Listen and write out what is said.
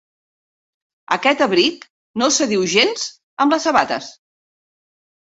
Aquest abric no s'adiu gens amb les sabates.